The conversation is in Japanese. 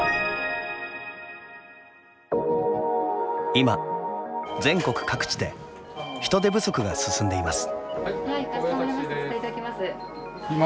今全国各地で人手不足が進んでいます。